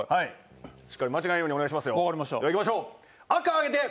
しっかり間違えないようにお願いしますよ。